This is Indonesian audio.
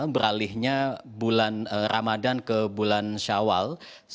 beralihnya bulan ramadan ke bulan syawal